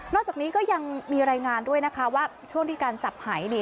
จากนี้ก็ยังมีรายงานด้วยนะคะว่าช่วงที่การจับหายนี่